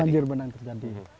banjir bandang terjadi